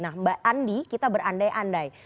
nah mbak andi kita berandai andai